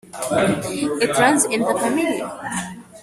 It runs in the family.